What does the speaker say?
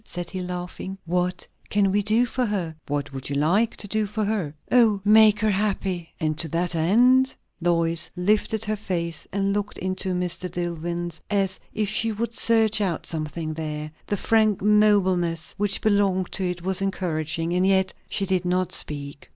said he, laughing. "What can we do for her?" "What would you like to do for her?" "Oh Make her happy!" "And to that end ?" Lois lifted her face and looked into Mr. Dillwyn's as if she would search out something there. The frank nobleness which belonged to it was encouraging, and yet she did not speak.